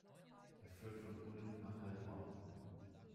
Er führt von Ulm nach Heilbronn.